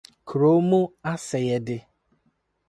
Kurow Mu Asɛyɛde